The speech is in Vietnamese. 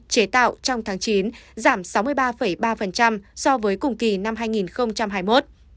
chế tạo trong tháng chín giảm sáu mươi ba ba so với cùng kỳ năm hai nghìn hai mươi một